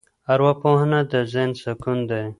ارواپوهنه د ذهن سکون دی.